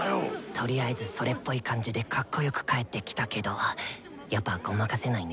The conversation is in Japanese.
とりあえずそれっぽい感じでカッコよく帰ってきたけどやっぱごまかせないね。